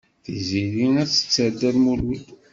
Tiziri ad tetter Dda Lmulud.